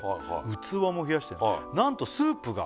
器も冷やしてる「なんとスープが」